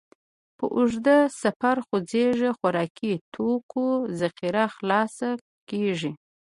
په اوږده سفر خوځېږئ، خوراکي توکو ذخیره خلاصه کېږي.